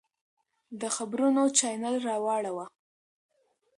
د خبرونو چاینل راواړوه!